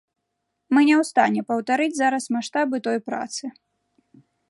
Мы не ў стане паўтарыць зараз маштабы той працы.